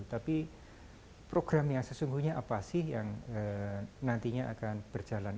tapi program yang sesungguhnya apa sih yang nantinya akan berjalan